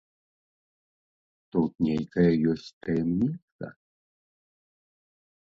Тут нейкая ёсць таямніца!